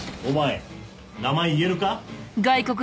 お前名前言えるか？